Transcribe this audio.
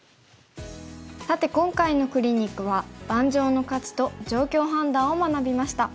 さて今回のクリニックは盤上の価値と状況判断を学びました。